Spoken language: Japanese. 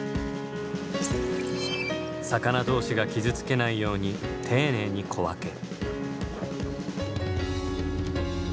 魚同士が傷つけないように丁寧に小分け。